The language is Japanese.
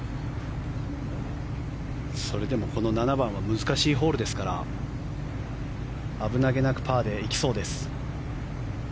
それでもこの７番は難しいホールですから危なげなくパーで行きそうです。